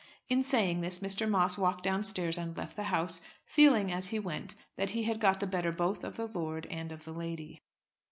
In saying this Mr. Moss walked downstairs and left the house, feeling, as he went, that he had got the better both of the lord and of the lady.